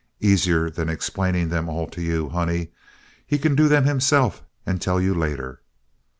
Easier than explaining them all to you, honey, he can do them himself and tell you later.